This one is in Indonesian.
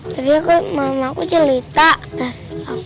jadi aku mamaku cerita